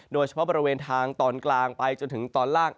โดยเฉพาะบริเวณทางตอนกลางไปจนถึงตอนล่าง